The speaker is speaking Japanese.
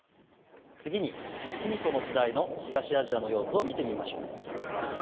次に卑弥呼の時代の東アジアの様子を見てみましょう。